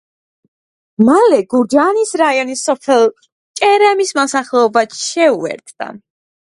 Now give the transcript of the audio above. მალე გურჯაანის რაიონის სოფელ ჭერემის მოსახლეობაც შეუერთდა.